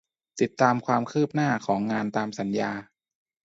ติดตามความคืบหน้าของงานตามสัญญา